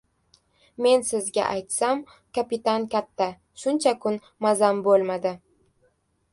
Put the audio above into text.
— Men sizga aytsam, kapitan katta, shuncha kun mazam bo‘lmadi.